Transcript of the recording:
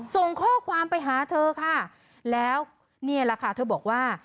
ส่งข้อความไปหาเธอค่ะแล้วนี่แหละค่ะเธอบอกว่า